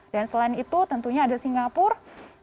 dan selain itu tentunya ada singapura